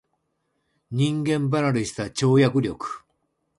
人間離れした跳躍力